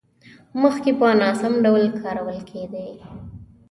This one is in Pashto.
مخکې په ناسم ډول کارول کېدې.